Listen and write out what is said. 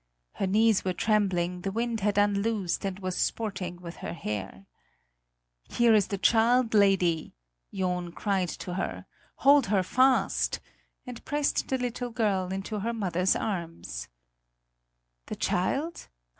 Her knees were trembling, the wind had unloosed and was sporting with her hair. "Here is the child, lady," John cried to her; "hold her fast!" and pressed the little girl into her mother's arms. "The child?